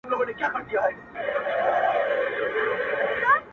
له مخلوقه لاره ورکه شهید پروت دی مور په ساندو!.